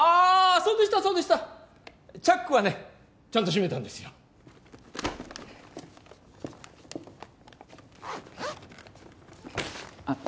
そうでしたそうでしたチャックはねちゃんと閉めたんですよあっ